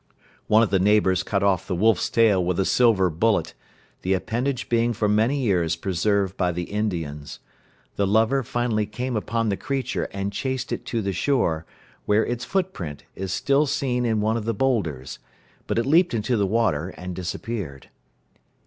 One of the neighbors cut off the wolf's tail with a silver bullet, the appendage being for many years preserved by the Indians. The lover finally came upon the creature and chased it to the shore, where its footprint is still seen in one of the bowlders, but it leaped into the water and disappeared.